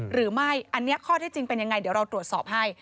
หรือไม่อันนี้ข้อที่จริงเป็นยังไงเดี๋ยวเราตรวจสอบให้